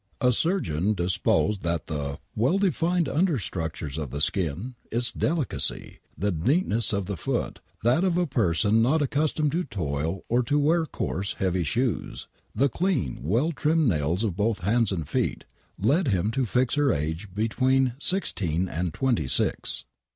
A surgeon deposed that the " well filled understructures of the skin, its delicacy, the neatness of the foot, that of a person not accustomed to toil or to wear coarse, heavy shoes, the clean, well trimmed nails of both hands and feet," led him to fix her age between sixteen and twenty six.